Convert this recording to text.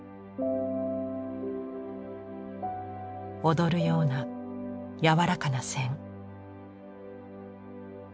踊るような柔らかな線。